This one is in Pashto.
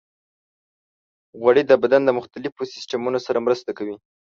غوړې د بدن د مختلفو سیستمونو سره مرسته کوي.